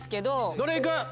どれ行く？